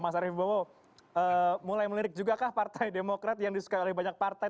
mas arief bowo mulai melirik juga kah partai demokrat yang disukai oleh banyak partai